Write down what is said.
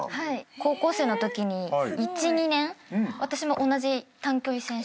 高校生のときに１２年私も同じ短距離選手だったので。